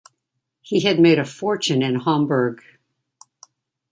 He had made a fortune in Hamburg.